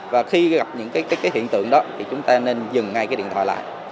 và khi gặp những cái hiện tượng đó thì chúng ta nên dừng ngay cái điện thoại lại